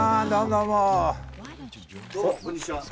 どうもこんにちは。